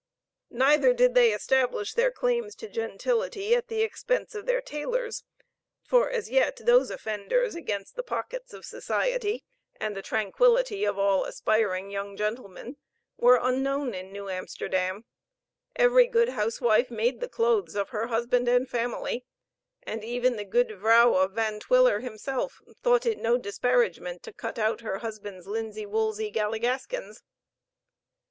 Neither did they establish their claims to gentility at the expense of their tailors for as yet those offenders against the pockets of society, and the tranquillity of all aspiring young gentlemen were unknown in New Amsterdam; every good housewife made the clothes of her husband and family, and even the goede vrouw of Van Twiller himself thought it no disparagement to cut out her husband's linsey woolsey galligaskins.